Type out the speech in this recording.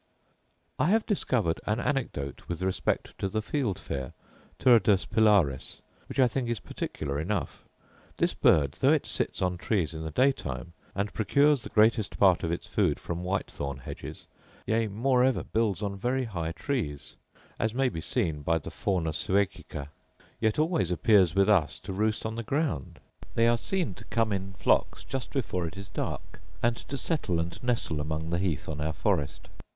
I have discovered an anecdote with respect to the field fare (turdus pilaris), which I think is particular enough: this bird, though it sits on trees in the day time, and procures the greatest part of its food from white thorn hedges; yea, moreover, builds on very high trees; as may be seen by the Fauna Suecica; yet always appears with us to roost on the ground. They are seen to come in flocks just before it is dark, and to settle and nestle among the heath on our forest.